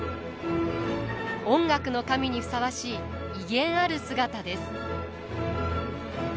音楽の神にふさわしい威厳ある姿です。